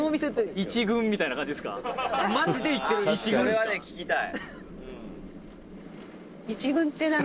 「それはね聞きたい」「」